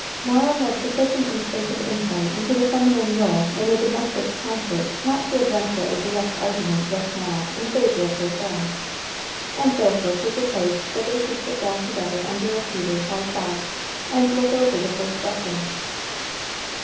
Mara had sufficient instinctive insight into the feminine rôle in the domestic concert not to adventure a direct argument just now in favor of her friends, and therefore she proposed that they should sit down together under a cedar hard by, and look over the first lesson.